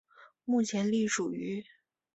目前隶属于。